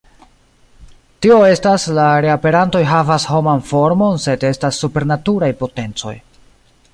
Tio estas, la reaperantoj havas homan formon sed estas supernaturaj potencoj.